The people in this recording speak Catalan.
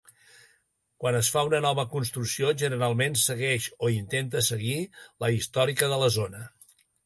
Quan es fa una nova construcció generalment segueix, o intenta seguir, la històrica de la zona.